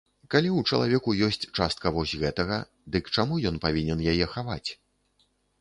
Калі ў чалавеку ёсць частка вось гэтага, дык чаму ён павінен яе хаваць?